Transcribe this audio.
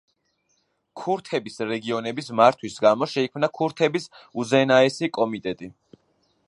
ქურთების რეგიონების მართვის გამო შეიქმნა ქურთების უზენაესი კომიტეტი.